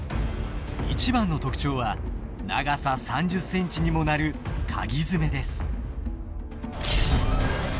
一番の特徴は長さ３０センチにもなるかぎ爪です。